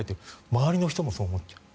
周りの人もそう思っちゃう。